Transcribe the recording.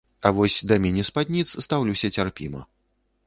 А вось да міні-спадніц стаўлюся цярпіма.